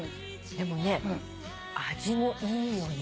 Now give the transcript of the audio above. でもね味もいいよね。